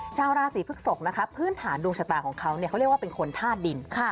ชาวราศีพฤกษกนะคะพื้นฐานดวงชะตาของเขาเขาเรียกว่าเป็นคนธาตุดิน